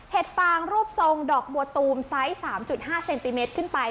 ฟางรูปทรงดอกบัวตูมไซส์๓๕เซนติเมตรขึ้นไป